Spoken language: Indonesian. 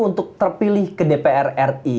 untuk terpilih ke dpr ri